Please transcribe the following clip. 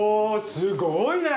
すごいね！